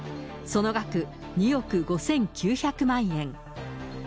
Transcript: その額２億５９００万円。